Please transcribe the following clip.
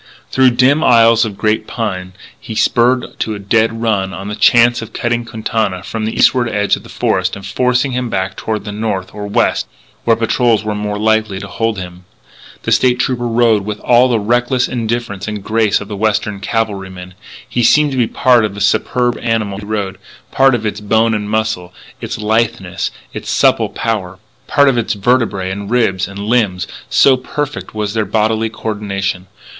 Through dim aisles of giant pine he spurred to a dead run on the chance of cutting Quintana from the eastward edge of the forest and forcing him back toward the north or west, where patrols were more than likely to hold him. The State Trooper rode with all the reckless indifference and grace of the Western cavalryman, and he seemed to be part of the superb animal he rode part of its bone and muscle, its litheness, its supple power part of its vertebræ and ribs and limbs, so perfect was their bodily co ordination.